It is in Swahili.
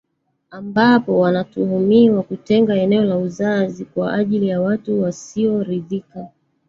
ambapo wanatuhumiwa kutenga eneo la uzazi kwa ajili ya watu wasioridhika